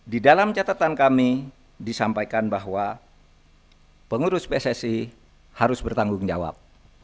di dalam catatan kami disampaikan bahwa pengurus pssi harus bertanggung jawab